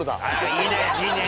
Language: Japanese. いいねいいね。